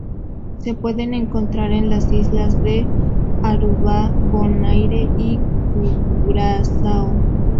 Se pueden encontrar en las islas de Aruba, Bonaire y Curazao.